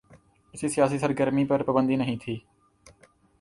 کسی سیاسی سرگرمی پر پابندی نہیں تھی۔